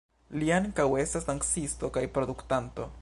Li ankaŭ estas dancisto kaj produktanto.